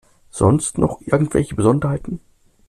Sonst noch irgendwelche Besonderheiten?